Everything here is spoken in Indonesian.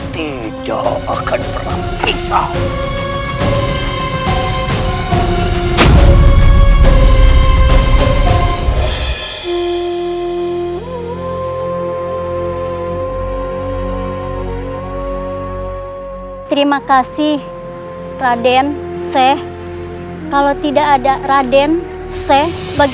tidak akan berpisah